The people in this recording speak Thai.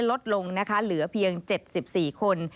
ลดลงเหลือเพียง๗๔คน